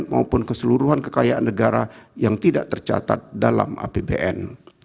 maupun keseluruhan kekayaan negara yang tidak tercatat dalam apbn